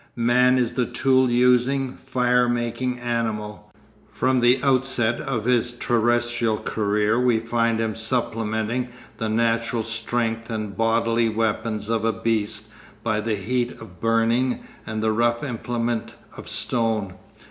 Man is the tool using, fire making animal. From the outset of his terrestrial career we find him supplementing the natural strength and bodily weapons of a beast by the heat of burning and the rough implement of stone.